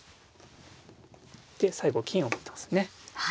で最後金を持ってますね。